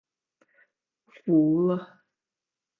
服了